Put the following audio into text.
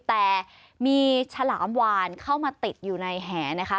แต่มีฉลามวานเข้ามาติดอยู่ในแหนะคะ